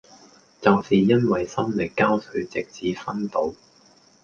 就是因為心力交瘁直至昏倒